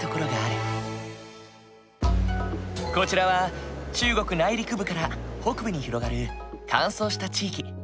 こちらは中国内陸部から北部に広がる乾燥した地域。